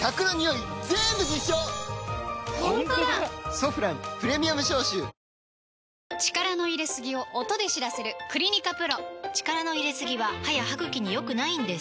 「ソフランプレミアム消臭」力の入れすぎを音で知らせる「クリニカＰＲＯ」力の入れすぎは歯や歯ぐきに良くないんです